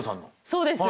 そうです。